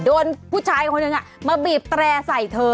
โดนผู้ชายคนหนึ่งมาบีบแตร่ใส่เธอ